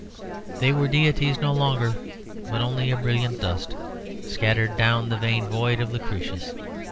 They were deities no longer but only a brilliant dust, scattered down the vain void of Lucretius.